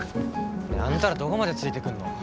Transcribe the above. えあんたらどこまでついてくんの？